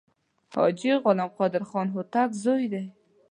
حاجي غلام قادر خان هوتک زوی دی.